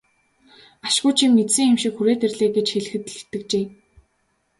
Ашгүй чи мэдсэн юм шиг хүрээд ирлээ гэж хэлэхэд л итгэжээ.